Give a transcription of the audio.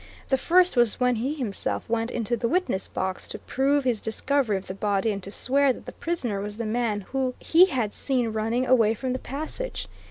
The first was when he himself went into the witness box to prove his discovery of the body and to swear that the prisoner was the man he had seen running away from the passage.